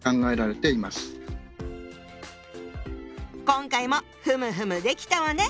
今回もふむふむできたわね！